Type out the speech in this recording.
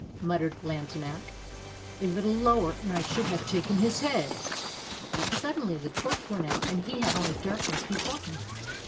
muttered Lantenac; "a little lower, and I should have taken his head." Suddenly the torch went out, and he had only darkness before him.